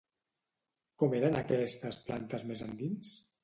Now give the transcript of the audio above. Com eren aquestes plantes més endins?